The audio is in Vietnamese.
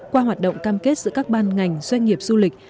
qua hoạt động cam kết giữa các ban ngành doanh nghiệp du lịch